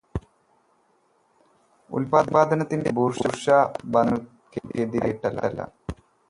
ഉല്പാദനത്തിന്റെ ബൂർഷ്വാബന്ധങ്ങൾക്കെതിരായിട്ടല്ല.